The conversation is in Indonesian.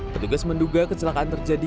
ketugas menduga kecelakaan terjadi